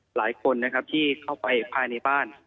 หลายคนนะครับที่เข้าไปภายในบ้าน